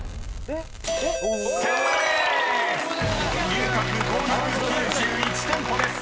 ［牛角５９１店舗です］